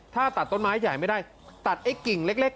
ถ้าตัดต้นไม้ใหญ่ไม่ได้ตัดไอ้กิ่งเล็ก